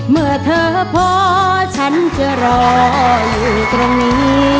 เมื่อเธอพอฉันจะรออยู่ตรงนี้